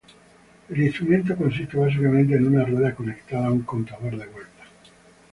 El instrumento consiste básicamente en una rueda conectada a un contador de vueltas.